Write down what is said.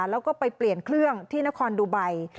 แล้วก็ไปเปลี่ยนเครื่องที่นครดูไบ